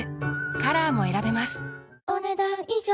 カラーも選べますお、ねだん以上。